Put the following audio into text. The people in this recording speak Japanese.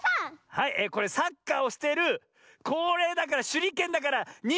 はいこれサッカーをしているこれだからしゅりけんだからにんじゃ！